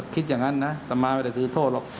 คิดอย่างงั้ชักไม่ได้ถือโทษว่ะ